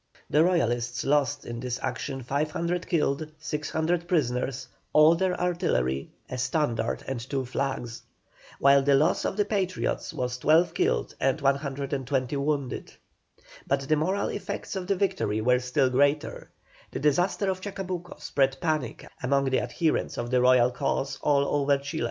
The Royalists lost in this action 500 killed, 600 prisoners, all their artillery, a standard, and two flags; while the loss of the Patriots was 12 killed and 120 wounded. But the moral effects of the victory were still greater; the disaster of Chacabuco spread panic among the adherents of the Royal cause all over Chile.